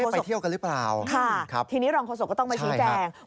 ไปเที่ยวกันหรือเปล่าทีนี้รองโฆษกก็ต้องมาชี้แจง